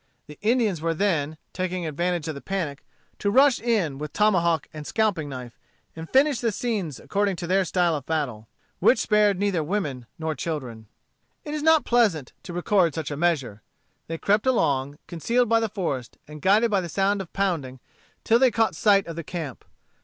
The Indians were then, taking advantage of the panic, to rush in with tomahawk and scalping knife, and finish the scene according to their style of battle, which spared neither women nor children. It is not pleasant to record such a measure. They crept along, concealed by the forest, and guided by the sound of pounding, till they caught sight of the camp.